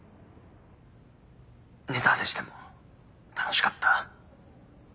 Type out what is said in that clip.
ネタ合わせしても楽しかった。